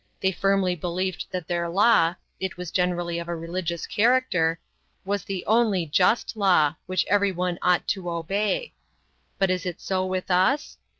They firmly believed that their law (it was generally of a religious character) was the only just law, which everyone ought to obey. But is it so with us?